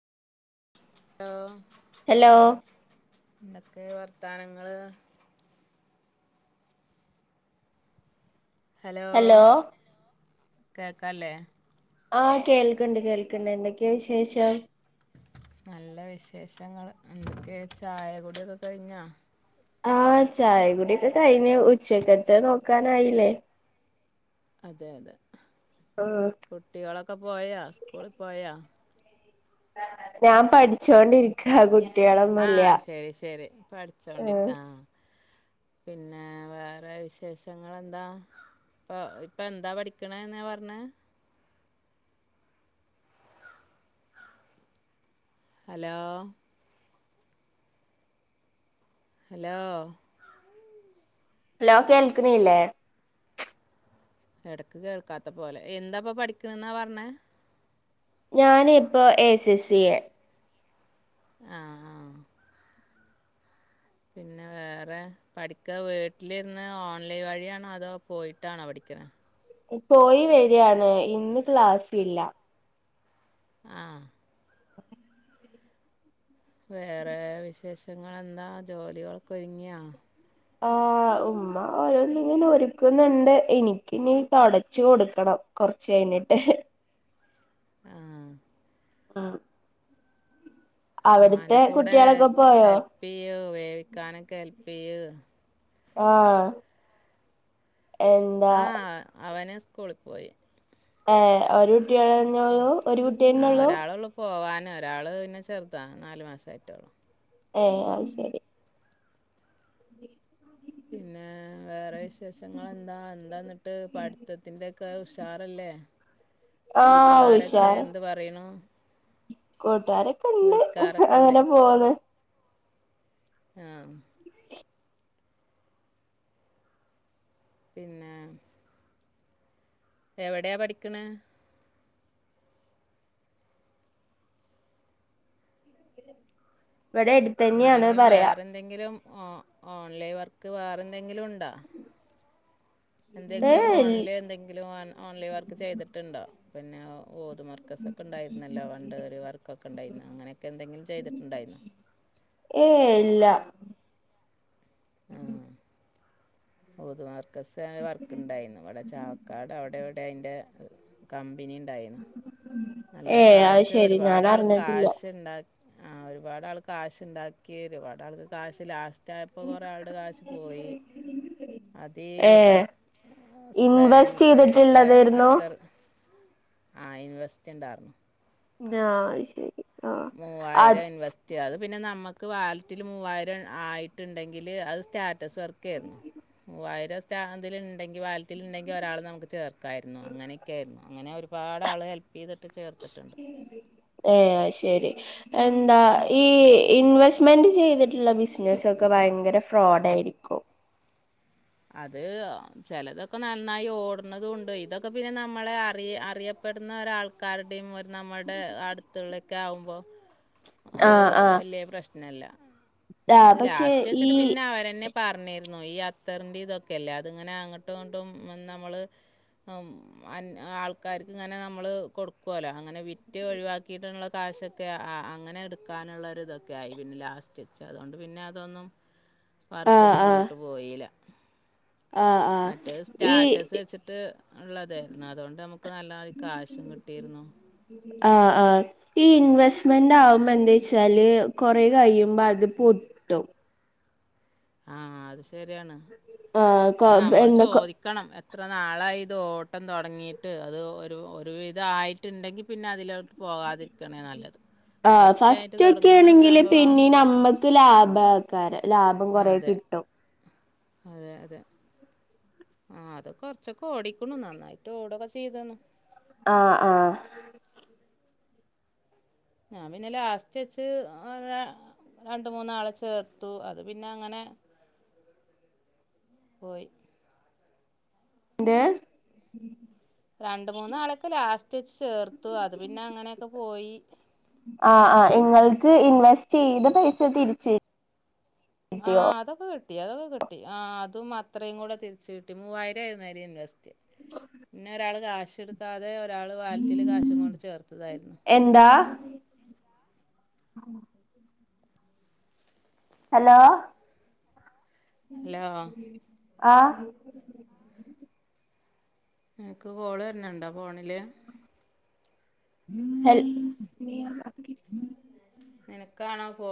ഏമ് hello ൻന്തൊക്കെ വർത്താനങ്ങള് hello കേക്കാല്ലേ ആഹ കേൾക്ക്‌ണ്ട് കേൾക്ക്‌ണ്ട് എന്തൊക്കെ വിശേഷം നല്ല വിശേഷങ്ങള് എന്തൊക്കെ ചായ കുടിഒക്കെ കഴിഞ്ഞാ ആ ചായകുടിയൊക്കെ കഴിഞ്ഞു ഉച്ചക്കത്തെ നോക്കാനായില്ലേ? അതെ അതെ ആഹ കുട്ടികളൊക്കെ പോയാ സ്കൂള് പോയാ ഞാൻ പഠി പഠിച്ചോണ്ടിരിക്ക കുട്ടികളൊന്നുമില്ല ആഹ് ശരി ശരി ആഹ പഠിച്ചോണ്ടിരിക്ക ആ പിന്നെ വേറെ വിശേഷങ്ങളെന്താ പ്പോ ഇപ്പ എന്താ പഠിക്ക്ണെന്ന പറഞ്ഞെ അലോ ഹലോ ഹലോ കേൾക്കിണില്ലേ. എടക്ക് കേൾക്കാത്ത പോലെ എന്താപ്പം പഠിക്കണെന്നാ പറഞ്ഞാ ഞാനി പ്പോ എ സി സി എ ആഹ ആഹ പിന്നെ വേറെ പഠിക്കൻ വീട്ടിലിരുന്ന് ഓൺലൈൻ വഴിയാണോ അതോ പോയിട്ടാണോ പഠിക്ക്ണേ പോയി വെരാണ് ഇന്ന് ക്ലാസില്ല ആഹ വേറെ വിശേഷങ്ങളെന്താ ജോലികളൊക്കെ ഒരുങ്ങിയോ ആഹ ഉമ്മ ഓരോന്നിങ്ങനെ ഒരുക്കുന്നുണ്ട് എനിക്കിനി തൊടച്ച് കൊടുക്കണം. കൊറച്ച് കഴിഞ്ഞിട്ട്. ആഹ ആഹ ഉമ്മാന്റെ കൂടെ കുട്ടികളൊക്കെ പോയോ ഹെൽപ് ചെയ്യൂ വേവിക്കാനൊക്കെ ഹെൽപെയ്യൂ ആഹ ആഹ അവന് സ്കൂൾക്ക് പോയി ആഹ ഒരു കുട്ടിയാള്ളനൊളളൂ ഒരു കുട്ടിയന്നെള്ളൂ പോവാനൊരാള് പിന്നെ ചെറുതാ നാല് മാസായിട്ടേളളൂ ഏഹ് അഹ് ശരി പിന്നേ വേറെ വിശേഷങ്ങളെന്താ എന്താന്നിട്ട് പഠിത്തത്തിന്റെക്കെ ന്താ ഉഷാറല്ലേ ആഹ് കൂട്ടുകാരൊക്കെ എന്ത് പറയ്ണു കൂട്ടുകാരൊക്കെണ്ട് അങ്ങനെ പോണ് ആഹ [inaudible] പിന്നെ എവിടെ പഠിക്ക്ണ് ഇവിടെട്ത്തന്നെയാണ് പറയാ ന്തെങ്കിലും ഒ ഓൺലൈൻ വർക്ക് വേറെന്തെങ്കിലുണ്ടോ ഏ എന്തെങ്കിലും ഫോണില് എന്തെങ്കിലും ഓൺലൈൻ വർക്ക് ചെയ്തിട്ടുണ്ടോ പിന്നെ ഊത് മർകസ് [unintelligible] ഒക്കെ ഉണ്ടായിരുന്നല്ലോ പണ്ട് ഒര് വർകൊക്കണ്ടായിന്നു അങ്ങനെയൊക്കെ എന്തെങ്കിലും ചെയ്തിട്ടുണ്ടായിരുന്നോ ഏയ് ഇല്ല ഉം ഉതുമാർക്കസ് പറഞ്ഞ വർക്ക് ഇണ്ടായിന്നു അവടെ ചാവക്കാട് അവടെ എവിടെ അയിന്റെ കമ്പനി ഇണ്ട് ഇണ്ടായിനു നല്ല ഏ അത് കാശ് ശരി ഞാൻ ഒരുപാട് ആള് അറിഞ്ഞിട്ടില്ല കാശുണ്ടാക്കി- ആഹ് ഒരുപാട് ആൾ കാശ്ഉണ്ടാക്കി ഒരുപാട് ആൾക്ക് കാശ് ലാസ്റ്റ് സ്റ്റായപ്പോ കൊറെ ആളുടെ കാശ് പോയി. അത് ഈ ഏ ഇൻവെസ്റ്റ് സ്പ്രേൻ്റൊക്കെ ചെയ്തിട്ടുള്ളതായിരുന്നു അത്തർ ആഹ് ഇൻവെസ്റ്റ് ഉണ്ടാർന്നു ആഹ് അത് ശെരി. മൂവായിരം ഇൻവെസ്റ്റ്- അത് പിന്നെ നമുക്ക് വാലറ്റിൽ മൂവായിരം ആയിട്ട്ണ്ടങ്കില് അത് സ്റ്റാറ്റസ് വർക്കായിരുന്നു മുവ്വായിരം സ്റ്റാ ഇതില് ഇണ്ടങ്കി വാലറ്റിൽ ഇണ്ടെങ്കി ഒരാളേ നമുക്ക് ചേർക്കായിരുന്നു അങ്ങനെയൊക്കെ ആയിരുന്നു അങ്ങനെ ഒരുപാട് ആള് ഹെൽപ്പ് ചെയ്തിട്ട് ചേർത്തിട്ടുണ്ട്. ഏഹ് അയ്ശരി എന്താ ഈ ഇൻവെസ്റ്റ് ഇൻവെസ്റ്റ്‌മെന്റ്റ് ചെയ്തിട്ടുള്ള ബിസിനസോക്കെ ഭയങ്കര ഫ്രോഡ് ആയിരിക്കും അത് ചെലതൊക്ക നന്നായി ഓടുന്നതുണ്ട് ഇതൊക്കെ പിന്നെ നമ്മളെ അറിയ അറിയ പ്പെടുന്ന ഒരാൾക്കാരുടെയും നമ്മടെ അടുത്തുള്ളൊക്കെ ആകുമ്പോ ആ ഒരു ആ വലിയേ പ്രശ്നല്ല ആ അത് പക്ഷെ ലാസ്റ്റ് ഈ വെച്ചിട്ട് പിന്നെ അവരന്നെ പറഞ്ഞിരുന്നു ഈ അ തെറണ്ടി ഇതൊക്കെയല്ലേ അതിങ്ങനെ അങ്ങോട്ടും ഇങ്ങോട്ടും വന്ന് നമ്മൾ അൻ ആൾക്കാർക്ക് ഇങ്ങനെ നമ്മള് കൊടുക്കോല അങ്ങനെ വിറ്റ് ഒഴിവാക്കിയിട്ടുള്ള കാശൊക്കെ അ അ അങ്ങനെ ഇടുക്കാനുള്ള ഒരു ഇതൊക്കെ ആയി പിന്നെ ലാസ്റ്റ് വച്ച് അതുകൊണ്ട് പിന്നെ അതൊന്നും ആ വർക്ക് ആ മുന്നോട്ട് പോയീല ആ ആ മറ്റേത് ഈ സ്റ്റാറ്റസ് വെച്ചിട്ട് ഉള്ളതേയിരുന്നു അതുകൊണ്ട് നമുക്ക് നല്ല കാശും കിട്ടിയിരുന്നു. ആഹ് ആഹ് ഈ ഇൻവെസ്റ്റ്മെന്റ് ആവുമ്പോ എന്താച്ചാല് കൊറെ കഴിയുമ്പോ അത് പൊട്ടും ആഹ് അത് ശരിയാണ് ആ കൊ അത് നമ്മൾ എന്താ കൊ ചോദി ക്കണം എത്ര നാളായി ഇത് ഓട്ടം തുടങ്ങിയിട്ട്. അത് ഒരു ഒരു വിധായിട്ടുണ്ടെങ്കിൽ പിന്നെ അതിൽ പോവാതിരിക്കാണ് നല്ലത് ആ ഫസ്റ്റായിട്ട് തോടങ്ങ്ണ ഒരു സംഭവമാണെങ്കി ഓല്ക്ക് ലാഭത്തി - കാര ലാഭം ആഹ് കൊറെ അതെ കിട്ടും അതെ അതെ ആ അത് കൊറച്ചൊക്കെ ഓടിക്ക്ണു നന്നായിട്ട് ഓടൊക്കെ ചെയ്ത്ണ്. ആ ആ ഞാൻ പിന്നെ ലാസ്റ്റ് വെച്ച് ഒരേ രണ്ട് മൂന്നാളെ ചേർത്തു അത് പിന്നെ അങ്ങനെ- പോയി എന്ത്‌ രണ്ട് മൂന്നാളൊക്കെ ലാസ്റ്റ് വെച്ച് ചേർത്തു അത് പിന്നെ അങ്ങനെയൊക്ക പോയി ആഹ് ആഹ് ഇങ്ങൾക്ക് ഇൻവെസ്റ്റ് ചെയ്ത പൈസ തിരിച്ച് കിട്ടിയോ ആഹ് അതൊക്കെ കിട്ടി അതൊക്കെ കിട്ടി ആ അതും അത്രയും കൂടെ തിരിച്ചു കിട്ടി മൂവായിരം ആയിരുന്നു ആയില് ഇൻവെസ്റ്റ് ഇന്നെ ഒരാള് കാശെടുക്കാതെ ഒരാള് വാലിറ്റിയില് കാശും കൊണ്ട് ചേർത്തതായിരുന്നു. എന്താ? ഹലോ ഹലോ ആഹ് നിനക്ക് കോള് വര്ണ് ണ്ട ഫോണില്? ഹൽ നിനക്കാണോ ഫോ